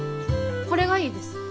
これがいいです。